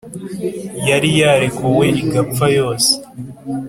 yari yarekuwe igapfa yose.